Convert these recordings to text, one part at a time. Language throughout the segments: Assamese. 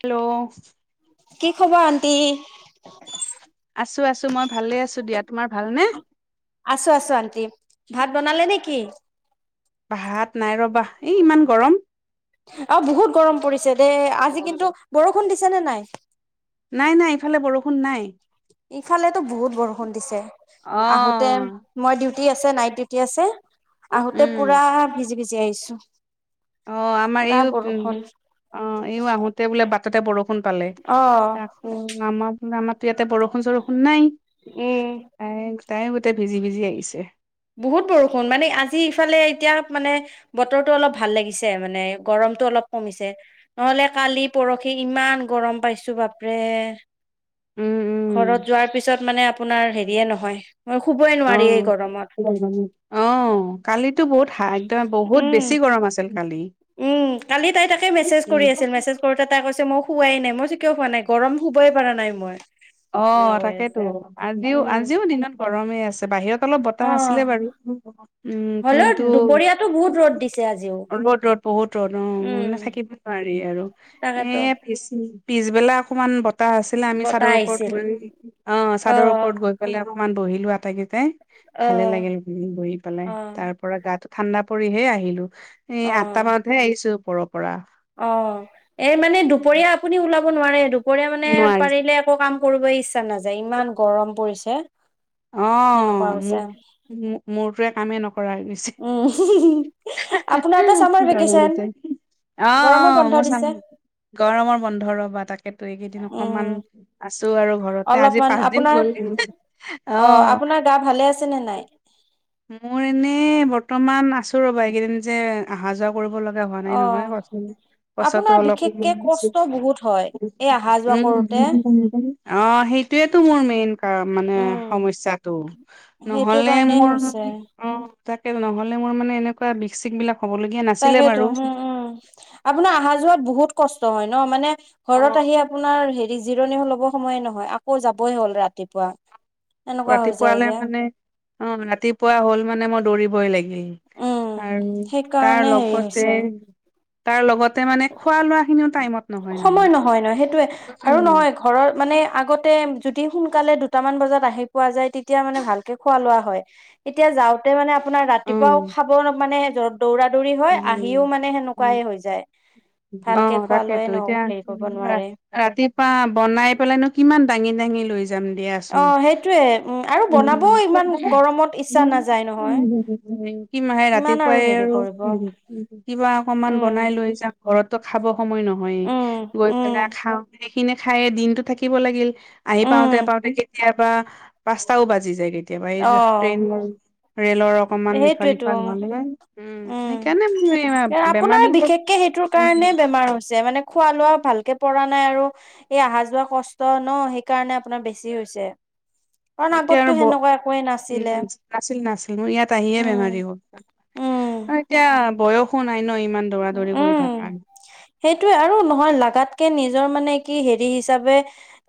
হেল্ল, কি খবৰ আণ্টি? আছো, আছো, মই ভালেই আছো দিয়া। তোমাৰ ভালনে? আছো আছো আন্টি। ভাত বনালে নেকি? ভাত, নাই ৰবা এই ইমান গৰম [inaudible] আৰু বহুত গৰম পৰিছে। দে, আজি কিন্তু বৰষুণ দিছে নে নাই। নাই, নাই ইফালে বৰষুণ নাই। ইফালেতো বহুত বৰষুণ দিছে, অ আহোতে মই দিউ আ, নাইট ডিউটি আছে আহোতে উম পুৰা ভিজি ভিজি আহিছো। অ, আমাৰ পুৰা এইও উম, বৰষুণ অ, এইও আহোতে বোলে বাটতে বৰষুণ পালে অ। আকৌ নামাক, নামাক তাতে বৰষুণ চৰষুণ নাই উম তাই তাই গোটেই ভিজি ভিজি আহিছে। বহুত বৰষুণ মানে আজি ইফালে এতিয়া মানে বতৰটো অলপ ভাল লাগিছে মানে, গৰম। গৰমটো অলপ কমিছে নহ'লে কালি পৰহি ইমান গৰম পাইছো বাপৰে। উম উম ঘৰত যোৱাৰ পিছত মানে, আপোনাৰ হেৰিয়ে নহয়। মই শু'বই অ নোৱাৰি এই গৰমত। অ, কালিতো বহুতা একদম বহুত উম বেছি গৰম আছিল কালি। উম, কালি তাই তাকে মেজ কৰি আছিল মেছেজ কৰোতে তাইৈ মই শু শুৱাই নাই মইও, কিয় হোৱা নাই গৰম হুবই পৰা নাই মই। অ, এনেকে কৈ তাকেতো আছে আজিও উম আজিও দিনত গৰমেই আছে বাহিৰত। অলপ বতাহ অ আছিলে বাৰু। উম, হ'লেও কিন্তু দুপৰীয়াতো বহুত ৰ'দ দিছে আজিও ৰ'দ ৰ'দ বহুত ৰ'দ অ, উম মানে থাকিবই পৰা নাই আৰু এ, তাকেতো পিছ, পিছবেলা অকমান বতাহ আছিলে আমি বতাহ চাদৰ ওপৰ ওপৰত আহিছিল অ, চাদৰ ওপৰত গৈ পেলাই অকমান বহিলো আটাইকেইটাই। অ ভালে লাগিল বহি পেলাই অ তাৰ পৰা গাটো ঠাণ্ডা পৰিহে আহিলো। এ, অ আঠটা মানতহে আহিছো পৰ অ, এই মানে দুপৰীয়া আপুনি ওলাব নোৱাৰে দুপৰীয়া মানে নোৱাৰি পাৰিলে আকৌ কাম। কৰিব ইচ্ছা নাযায়, ইমান গৰম পৰিছে। অ, সেনেকুৱা মোৰ হৈছে মোৰটয়ে কামেই নকৰে। উম, আপোনাৰতো চামাৰ ভেকেচন [unintelligible] অ, অ, গৰমৰ বন্ধ মই দিছে। চামে গৰমৰ বন্ধ ৰ'বা তাকে। ত, এইকেইদিন উম, অকমান আছো আৰু ঘৰতে আজি অলপমান পাঁচ দিন আপোনাৰ গল। অ, আপোনাৰ গা ভালে আছে নে নাই। মোৰ এনে বৰ্তমান আছো ৰ'বা এইকেইদিন যে অহা যক কৰিব লগা হোৱা নাই নহয় অ', ক পচা আপোনাৰ অলপ অ বিশেষকে সেই কষ্ট বহুত হয় এই অহা যোৱা কৰোতে। সটোয়েতটো মোৰ মেইন ক মানে উম, সমস্যাতটো সেইটো নহলে কাৰণে মোৰ হৈছে অ তাকে নহলে মোৰ মানে এনেকুৱা বিশিক বিলাক হ'বলগীয়া নাছিলে বাৰু তাকেইতো উম উম আপোনাৰ অহা যোৱাত বহুত কষ্ট হয় ন মানে অ ঘৰত আহি আপোনাৰ হেৰি জিৰণি ল'ব সময়ে নহয় আকৌ যাবই হ'ল ৰাতিপুৱা এনেকুৱা হৈ যায় ৰাতিপুৱালৈ যে মানে অ ৰাতিপুৱা হ'ল মানে মই দৌৰিবই উম, লাগিব আৰু তাৰ সেইকাৰণে হেৰি লগতে হৈছে। তাৰ লগতে মানে াইমত ন [inaudible] সময় নহয় নহয় সেইটোয়ে আৰু নহয় ঘৰৰ মানে আগতে যদি সোনকালে [unintelligible] আপোনাৰ অ ৰাতিপুৱাও খাব মানে য দৌৰা দৌৰি হয় উম আহিও মানে সেনেকুৱাই হৈ যায় অ ভালকে খোৱা লোৱাই তাকেইতো ন এতিয়া হেৰি কৰিব নোৱাৰে ৰাতিপুৱা বনাই পেলাইনো কিমান দাঙি দাঙি লৈছে যাম অ দিয়াচোন সেইটোয়ে উম আৰু উ বনাবও ইমান গৰমত ইচ্ছা নাযায় নহয় কি মাহে কিমান ৰাতিপুৱাই হেৰি আৰু উ কৰিব কিবা অকমান উম বনাই লৈ যাওঁ ঘৰতটো খাব সময় নহয়েই উম গৈ উম পেলাই খাওঁ সেইখিনি খায় দিনতটো থাকিব লাগিল আহি পাওঁতে উম পাওঁতে কেতিয়াবা পাঁচটাও বাজি যায় কেতিয়াবা এই অ ট্ৰেইন ৰেলৰ অকমান লিশা সেইটোৱেতো লিখা হাল উ উম আপোনাৰ বিশেষকে সেইটোৰ উম, কাৰণে বেমাৰ হৈছে মানে খোৱা লোৱা ভালকে পৰা নাই আৰু এই আহা যোৱা কষ্ট ন সেই কাৰণে আপোনাৰ বেছি হৈছে। কাৰণ এতিয়া আৰু আগততো ব সেনেকুৱা একোৱেই নাছিলে। উম, নাছিল নাছিল ইয়াত আহিয়ে বেমাৰী উম উম হল এতিয়া বয়স নাই ন ইমান দৌৰা দৌৰি কৰি থাক কাৰণে হয় লাগাতকে মানে নিজৰ মানে কি হেৰি হিচাপে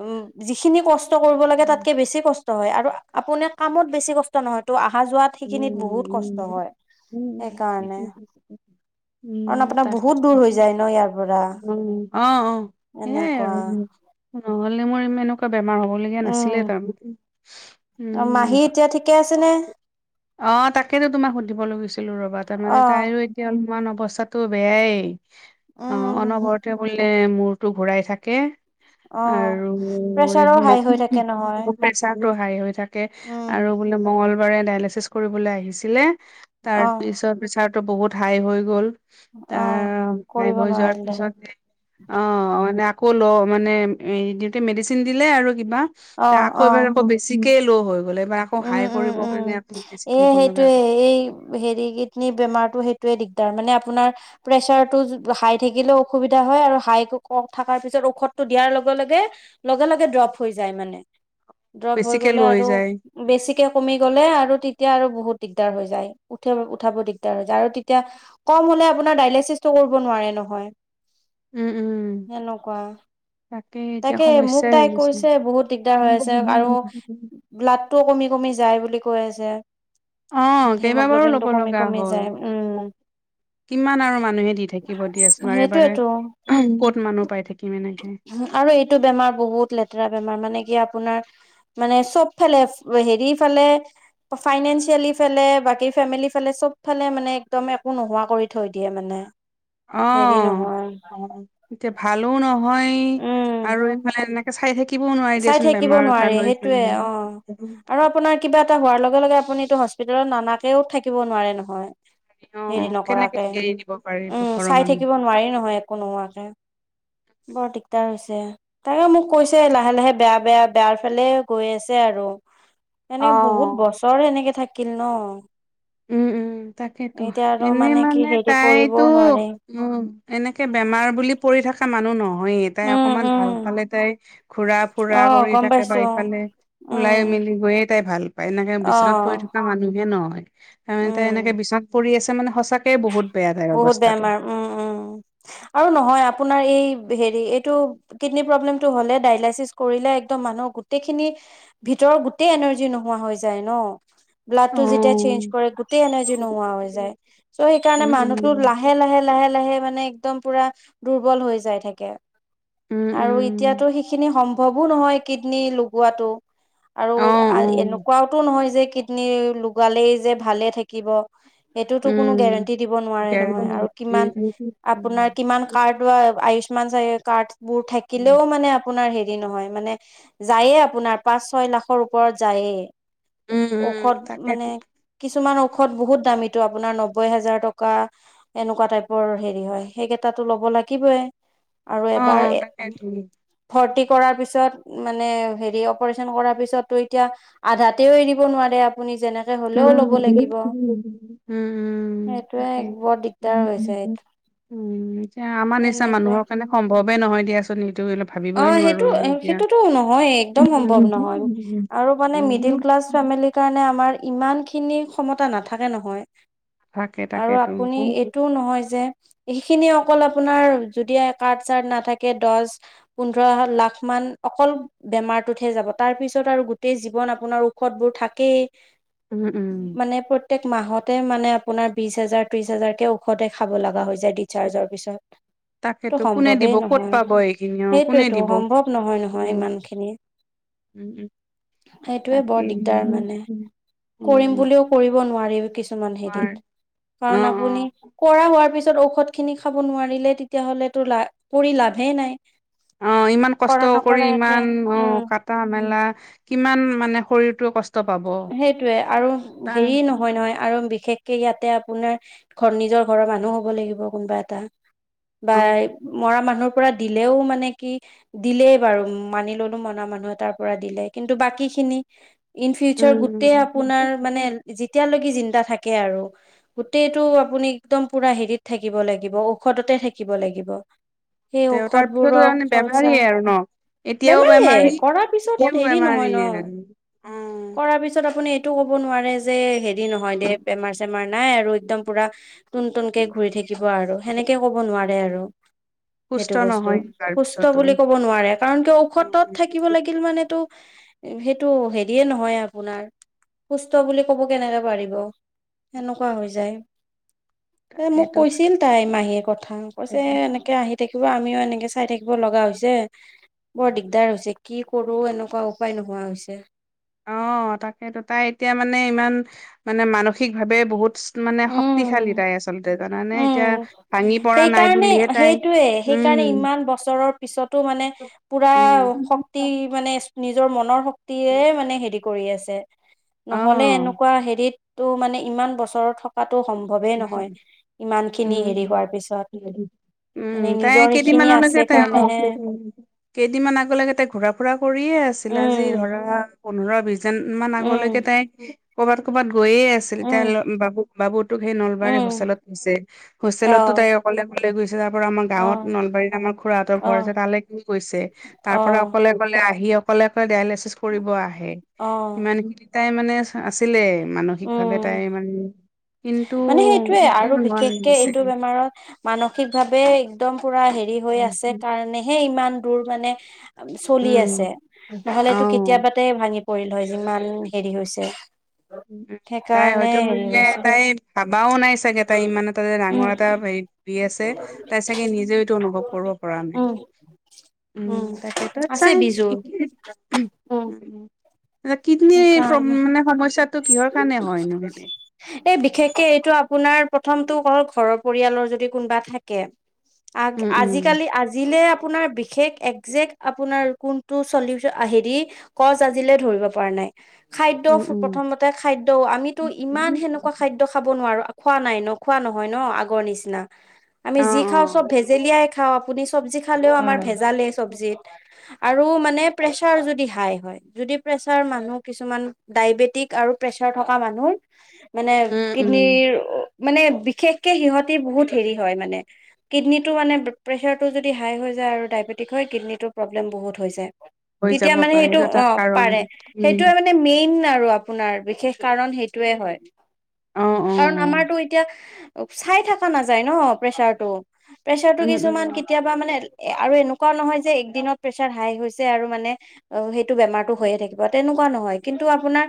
উম যিখিনি কষ্ট কৰিব লাগে উম, তাতকে বেছি কষ্ট হয় আৰু আপুনি কামত বেছি কষ্ট নহয়টো আহ আহা যোৱাত সেইখিনিত উম। বহুত কষ্ট উম। হয়। সেইকাৰণে উম কাৰণ আপোনাৰ বহুত দূৰ হৈ যায় ন ইয়াৰ পৰা উম অ অ সেয়াই এনেকুৱা আৰু নহলে মোৰ ইমেন এনেকুৱা বেমাৰ হ'বলগীয়া নাছিলে উম তাৰমানে অ উম মাহী এতিয়া ঠিকে আছে নে? অ তাকেতো তোমাক সুধিবলৈ গৈছিলো ৰবা তাৰ অ মানে তাইৰো এতিয়া অলপমান অৱস্থা তো বেয়াই অ উম অনবৰতে বোলে মূৰটো ঘূৰাই থাকে অ আৰু প্ৰেচাৰো হাই হৈ থাকে নহয় প্ৰেচাৰটো হাই হৈ থাকে উম আৰু লে বঙল [unintelligible] ডাইলাইছিছ কৰিব আহিছিল তাৰ অ পিছত প্ৰেচাৰটো বহুত হাই হৈ গল অ তাৰ বাই কৰিব ব যোৱাৰ নোৱাৰিলে পিছত অ মানে [unintelligible] ক'ল অ মানে হেৰি দিওঁ মেডিচিন দিলে আৰু কিবা অ আকৌ অ এবাৰ আকৌ বেছিকে ল' হৈ গ'ল বা আকৌ উম হাই উম কৰিবৰ উম কাৰণে আ এ সেইটোয়ে এই হেৰি কিডনী বেমাৰ সেইটোৱে দিগদৰ মানে আপোনাৰ প্ৰেচাৰটো হাই থাকিলেও অসুবিধা হয় আৰু হাইত কৈ কম থকাটো তাৰ পিছত ঔষধটো দিয়াৰ লগে লগে লগে লগে ড্ৰপ হৈ যায় মানে ড্ৰপ হৈ বেছিকে গলে লৈ আৰু যায় বেছিকে কমি গ'লে আৰু তেতিয়া আৰু বহুত দিগদাৰ হৈ যায় উঠে উঠাব দিগদাৰ হৈ যায় আৰু তেতিয়া কম হলে আপোনাৰ দাইলাইচিছটো কৰিব নোৱাৰে নহয় উম উম সেনেকুৱা তাক তাকে মোক তাই কৈছে বহুত দিগদাৰ হৈ আছে আৰু ব্লাড ত', কমি কমি যায় বুলি কৈ আছে। অ, কেইবাবাৰো হিমগ্ল'বিনটো ল'ব কমি লগা কমি হ'ল। যায় উম কিমান আৰু মানুহে দি থাকিব দিয়াচোন, বাৰে বাৰে। সেইটোয়েতো [unintelligible] ক'ত মানুহ পাই থাকিম এনেকে? আৰু এইটো বেমাৰ বহুত লেতেৰা বেমাৰ, মানে কি আপোনাৰ মানে চবফালে, হেৰি ফালে অ, ফাইনেনচিয়েলি ফেলে, বাকী ফেমিলি ফালে চব ফালে মানে একদম্ একো নোহোৱা কৰি থৈ দিয়ে মানে। অ, হেৰি নহয় এতিয়া ভালো নহয়, উম আৰু এইফালে এনেকে চাই থাকি চাই থাকিব নোৱাৰি সেইটোৱে অ, আৰু আপোনাৰ কিবা এটা হোৱাৰ লগ্ লগে লগে আপোনিটো হস্পিতালত ননাকেও থাকিব নোৱাৰে নহয়। অ', হেৰি অ', কেনেকে নকৰাকে। এৰি দিব পাৰিব উম, ঘৰৰ চাই মানুহ। থাকিব নোৱাৰি নহয় একো নোহোৱাকে। বৰ দিগদাৰ হৈছে। তাইয়ো মোক কৈছে, লা লাহে লাহে বেয়া বেয়া বেয়াৰ ফালে গৈ আছে আৰু, এনেকে বহুত অ'। বছৰ এনেকে থাক্ কিল্ ন উম, উম, উম, তাকেটো এতিয়া আৰু এনে কি মানে হেৰি তাইটো কৰিবও নোৱাৰি উম, এনেকে বেমাৰ বুলি পৰ্ পৰি থকা মানুহ নহ য়েই। তাই উম অকমান উম ভাল পালে তাই ঘুৰা ফুৰা অ কৰি গম থাকে বা পাইছো ইফালে ওলাই উম মেল্ লি গৈয়ে তাই ভাল পায়। এনেকে অ বিচনাত পৰি থকা মানুহে নহয় তাৰমানে তাই উম এনেকে বিচনাত পৰি আছ্ মানে সঁচাকেই বহুত বেয়া তাইৰ বহুত অৱস্থাটো। বেমাৰ। উম, উম, আৰু নহয় আপোনাৰ এই হেৰি কিড্নী প্ৰব্লেমটো হ'লে, ডায়েলাইচিচ্ কৰিলে একদম মানুহৰ গোটেইখিনি ভি তৰ্ গোটেই এনাৰ্জি নোহোৱা হৈ যায় ন। ব্লাড টো যেতিয়া চেঞ্জ অ'। কৰে গোটেই এনাৰ্জি নোহোৱা হৈ যায়, চ' সেইকাৰণে উম, মানুহ টোৰ উম, লাহে লাহে লাহে লাহে মানে একদম পুৰা দুৰ্বল হৈ যায় থাকে। উম, আৰু উম, এতিয়াতো সেইখিনি সম্ভৱো নহয় কিড্নী লগোৱাটো। আৰু অ', অ', এনেকুৱাওটো নহয়, যে কিড্নী লোগালেই যে ভালে থাকিব। এইটোতো কোনো উম, গেৰেণ্টি দিব নোৱাৰে ন'। কিমান, উম, আপোনাৰ উম, কিমান কাৰ আয়ুস্মান কাৰ বোৰ থাকিলেও, মানে আপোনাৰ হেৰি নহয় মানে, যায়ে, আপোনাৰ পাঁচ, ছয় লাখৰ ওপৰত যায়ে। উম, ঔষধ মানে, তাকেতো। কিছুমান ঔষধ বহুত দামীটো আপোনাৰ নব্বৈ হাজাৰ টকা। এনেকুৱা টাইপৰ হেৰি হয়, সেইকেইটাটে ল'ব লাগিবয়ে। অ' তাকে। ভৰ্তি কৰাৰ পিছত মানে, হেৰি অপাৰচন কৰাৰ পিছত এতিয়া আধাতেও এৰিব নোৱাৰে। আপুনি যেনেকে উম, হলেও ল'ব লাগিব উম, উম, সেইটোয়ে তাকে। বৰ দিগদাৰ হৈছে এইটো উম, এতিয়া আমাৰ নিচিনা তেনেকুৱা মানুহৰ কাৰণে সম্ভৱ নহয় দিয়াচোন। এইটো ভাবিবই অ', নোৱাৰো সেইটো, আমি এতিয়া সেইটোতো নহয়, একদম সম্ভৱ নহয় আৰু মানে মিডিল উম ক্লাছ ক্লাছ, ফেমিলীৰ কাৰণে আমাৰ ইমানখিনি ক্ষমতা নাথাকে নহয়। তাকে আৰু তাকেতো আপুনি উম এইটোও নহয় যে সেইখিনি অকল আপোনাৰ, যদি কাৰড চাৰট নাথাকে দশ পোন্ধৰ লাখ মান অকল বেমাৰটোতহে যাব, তাৰ পিছত আৰু গোটেই জীৱন আপোনাৰ ঔষধবোৰ থাকেই, উম মানে প্ৰত্যক মাহত। মানে আপোনাৰ বিশ হাজাৰ, ত্ৰিশ হাজাৰ কে ঔষধে খাব লগা হৈ হৈছে। যে ডিচাৰ্জৰ পিছত, ত' তাকেতো কোনে সম্ভৱেই দিব ক'ত নহয়। পাব এইখিনি অ কোনে সেইটোটো দিব সম্ভৱ নহয়, নহয় ইমান খিনি। উম উম সেইটোোৱে বৰ তাকেই দিগদাৰ মানে, উম কৰিম উম বুলিও কৰিব ন' অ কাৰণ অ আপুনি কৰা হোৱাৰ পিছত ঔষধ খিনি খাব নোৱাৰিলে তেতিয়াাহ'লে তো লা কৰি লাভেই নাই। অ', মান কৰা কষ্ট কৰি নকৰা একে ইমান অ উম কাটা মেলা কিমান মানে শৰীৰটো কষ্ট পাব সেইটোয়ে আৰু তাৰ হেৰি নহয় নহয় আৰু বিশেষ ইয়াতে আপোনাৰ ঘৰ নিজৰ ঘৰৰ মানুহ হ'ব লাগিব কোনোবা এটা বা অ মৰা মানুহ মানুহৰ পৰা দিলেও মানে, কি দিলেই বাৰু মানি ললো মনা মানুহ এ তাৰ পৰা দিলে কিন্তু বাকী ইণ ফিউচাৰ গোটেই উম আপোনাৰ মানে যেতিয়ালৈকে থাকে আৰু গোটটো আপুনি একদম পুৰা হেৰিত থাকিব লাগিব ঔষধতে থাকিব লাগিব। সেই তেওঁ তাৰ পিছতো ঔষধবোৰৰ তাৰমানে খৰচা বেমাৰীয়ে আৰু ন এতিয়াও বেমাৰ বেমাৰী কৰাৰ পিছত এতিয়াও হেৰি বেমাৰী নহয় ন অ কৰাৰ পিছত আপুনি এইটো ক'ব নোৱাৰে যে হেৰি নহয় দে বেমাৰ চেমাৰ নাই আৰু একদম পুৰা তোন তোনকে ঘূৰি থাকিব আৰু সেনেকে কব নোৱাৰে আৰু সুস্থ সেইটো বস্তু নহয় তাৰ সুস্থ পিছতো বুলি ক'ব নোৱাৰে কাৰণ কিয় ঔষধত থাকিব লাগিল মানেতো সেইটো হেৰিয়ে নহয় আপোনাৰ সুস্থ বুলি কব কেনেকৈ পাৰিব সেনেকুৱা হৈ যায়। এ মোক তাকেইতো কৈছিল তাই মাহীৰ কথা কৈছে এনেকে আহি থাকিব আমিও এনেকে চাই থাকিব লগা হৈছে বৰ দিগদাৰ হৈছে কি কৰো এনেকুৱা উপায় নোহোৱা হৈছে অ', তাকেতেতো তাই এতিয়া মানে ইমান মানে মানসিক ভাৱে বহুত মানে শক্তিশালীতাই আছে উম নাই সেইকাৰণে বুলিহে তাই সেইটোয়ে সেইকাৰণে উম ইমান বছৰৰ পিছতো মানে পুৰা উম শক্তি মানে নিজৰ মনৰ শক্তিৰেে মানে হেৰি নহলে অ', এনেকুৱা হেৰিতটো মানে ইমান বছ থকাত টো সম্ভৱেই নহয় ইমানখিনি হেৰি উম, হোৱাৰ পিছত উম মানে তাই নিজৰ সেইখিনি আছে কেইদিনমানলৈকে ত অ কাৰণেহে কেইদিনমান আগলৈকে তাই ঘূৰা ফুৰা কৰিয়ে আছিল আজি উম ধৰা পোন্ধৰ বিশজন মান আগলৈকে উম তাই কৰ'বাত ক'বাত গৈয়ে আছিল তাই উম বাবু বাবুত সেই নলবাৰীৰ উম হোষ্টেলত গৈছে হোষ্টেলতো আহ তাই অকলে অকলে গৈ তাৰ পৰা আমাৰ গাঁৱত আহ নলবাৰীত আমাৰ খুৰাহঁতৰ ঘৰ আহ আছে তালৈ কিনি গৈছে তাৰ পৰাৰা আহ অকলে অলে আহি অ', অকলে অকলে ডায়েলিচিছ কৰিব আহে, আহ ইমানখিনি তাই মানে আছিলে মানসিক ভাৱে উম তাই মানে কিন্তু মানে সেইটোয়ে এতিয়া আৰু নোৱাৰা বিশেষকে হৈছে। এইটো বেমাৰত মানসিকভাৱে একদম পুৰা হেৰি হৈ আছে কাৰণেহে ইমান দূৰ মানে চলি উম, আছে অ', নহলেতো কেতিয়াবাতে ভাঙি পৰিল হয় যিমান হেৰি হৈছে উ তাই সেইকাৰণে হয়তো মান হেৰি হৈছে তাই ভাবাও নাই চাগে তাই ইমান এ ত উম ডাঙৰ এটা হেৰি বি আছে তাই চাগে নিজেও এইতটো অনুভৱ কৰিব পৰা নাই উম, উম তেখেতত আছে চাই বিজু নেি উম, উ কিডনী সেইকাৰণে মানে সমস্যাত এই বিশেষকে এইটো আপোনাৰ প্ৰথমটো হ'ল ঘৰৰ পৰিয়ালৰ যদি কোনোবা থাকে আগ উম, উম, আজিকালি আজিলে আপোনাৰ বিশেষ একজেক্ট আপোনাৰ কোনটো চলিউচন ন খাদ্য উম, উম, প্ৰথমতে খাদ্য আমিতো ইমান সেনেকুৱা খাদ্য খাব নোৱাৰো খোৱা নাই নোখোৱা নহয় ন আগৰ নিচিনা আমি অ', যি খাওঁ চব অ', ভেজেলিয়াই খাও আপুনি চব্জি খালেও আমাৰ হয়। ভেজালেই চব্জিত আৰু মানে প্ৰেচাৰ যদি হাই হয় যদি প্ৰ মানুহ কিছুমান ডায়বেটিক আৰু প্ৰেচাৰ থকা মানুহৰ মানে উম, উম, কিডনীৰ মানে বিশেষকে সিহতি বহুত হেৰি হয় মানে কিডনী টো মানে প্ৰেচাৰতটো যদি হাই হয় আৰু ডায়বেটিক হয় কিডনৰ প্ৰব্লেম বহুত হৈছে হৈ তেতিয়া যাব মানে পাৰে সেইটো এটা অ' কাৰণ পাৰে। উম, সেইটোৱে মানে মেইন আৰু আপোনাৰ বিশেষ কাৰণ সেইটোয়ে হয়। অ', কাৰণ অ', আমাৰতো এতিয়া চাই থকা নাযায় ন' প্ৰেচাৰতটো। প্ৰেচাৰটো উম, উম, কিছুমান কেতিয়াবা মানে এ আৰু এনেকুৱাও নহয় যে একদিনত প্ৰেচাৰ হাই হৈছে আৰু মানে অ সেইটো বেমাৰতটো হৈয়ে থাকিব। তেনেকুৱা নহয় কিন্তু আপোনাৰ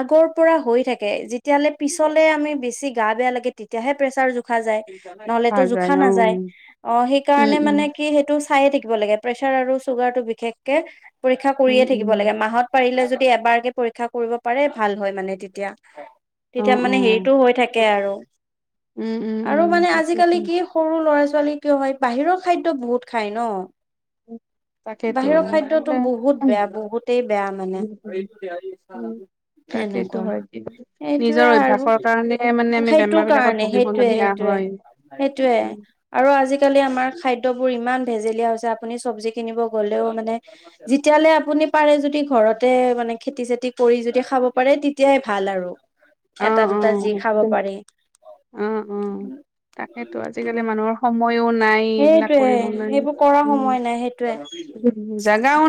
আগৰ পৰা হৈ থাকে যেতিয়াহ'লে পিছলে আমি বেছি গাত বেয়া লাগে তেতিয়াহে প্ৰেচাৰ জোখা যায়। খোৱা নলেতো যায় জোখা অ', উম, নাযায় অ' সেইকাৰণে উম, মানে কি সেইটো খাইে থাকিব লাগে প্ৰেচাৰ আৰু চুগাৰ টো বিশেষকে পৰীক্ষা উম, কৰিয়ে উম, থাকিব লাগে মাহত পাৰিলে যদি এবাৰকে পৰীক্ষা কৰিব পাৰে ভাল হয় মানে তেতিয়া। তেতিয়া অ', মানে অ'। হেৰিটো হৈ থাকে আৰু। উম উম উম আৰু মানে তাকেইতো আজিকালি কি সৰু লৰা ছোৱালী কিয় হয় বাহিৰৰ খাদ্য বহুত খাই ন'। তাকেইতো বাহিৰৰ খাদ্যয়তটো বহুত বেয়া বহুতেই বেয়া মানে। তাকেইতো সেনেকুৱা হয় সেইটোৱে নিজৰ আৰু অভ্যাসৰ কাৰণে মানে আমি সেইটো বেমাৰ বিলাকত কাৰণে সেইটোয়ে ভুগিবলগীয়া সেইটোয়ে। হয় সেইটোয়ে উম, আৰু আজিকালি আমাৰ খাদ্য ইমান ভেজেল আপুনি চব্জি কিনিব গলেও মানে যেতিয়াল আপুনি পাৰে য যদি ঘৰতে মানে খেতি চাতি কৰি যদি খাব পাৰে তেতিয়াই ভাল আৰু। অ এটা অ দুটা যি খাব একদম। পাৰি। অ', অ' তাকেইেতো আজিকালি উম মানুহৰ সময়ো নাই এইবিলাক সেইটোয়ে কৰিবলৈ সেইবোৰ কৰা উ, সময় নাই সেইটোয়ে। জাগাও